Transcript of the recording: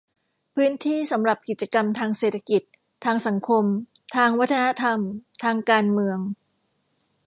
พื้นที่สำหรับกิจกรรมทางเศรษฐกิจ ทางสังคม ทางวัฒนธรรม ทางการเมือง